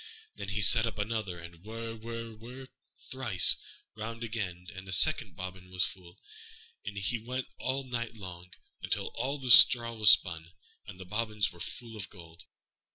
Then he set up another, and whir, whir, whir, thrice round again, and a second bobbin was full; and so he went all night long, until all the straw was spun, and the bobbins were full of gold.